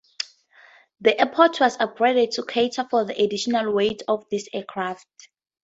The airport was upgraded to cater for the additional weight of these aircraft.